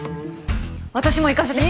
私も行かせて。